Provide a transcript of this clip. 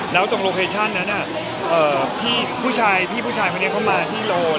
แล้วตรงโลเคชั่นนั้นน่ะพี่ผู้ชายเขามาที่โลก